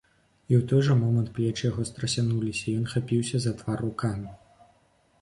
І ў той жа момант плечы яго страсянуліся, і ён хапіўся за твар рукамі.